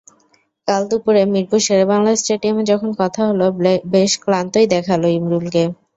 কাল দুপুরে মিরপুর শেরেবাংলা স্টেডিয়ামে যখন কথা হলো, বেশ ক্লান্তই দেখাল ইমরুলকে।